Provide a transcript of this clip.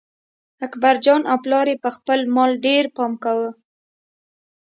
اکبرجان او پلار یې په خپل مال ډېر پام کاوه.